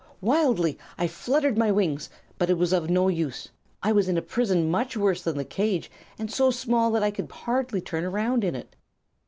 "Wildly I fluttered my wings; but it was of no use. I was in a prison much worse than the cage, and so small that I could hardly turn around in it.